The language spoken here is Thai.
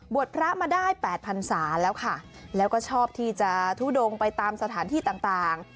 พระมาได้แปดพันศาแล้วค่ะแล้วก็ชอบที่จะทุดงไปตามสถานที่ต่างต่าง